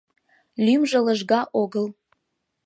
— Лӱмжӧ лыжга огыл.